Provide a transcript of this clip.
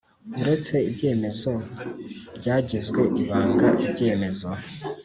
Uretse ibyemezo byagizwe ibanga ibyemezo